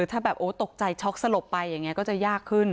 ถ้าตกใจช็อกซะหลบไปยังไงก็จะยากขึ้น